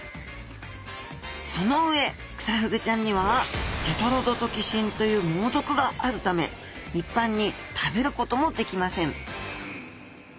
その上クサフグちゃんにはテトロドトキシンという猛毒があるため一般に食べることもできません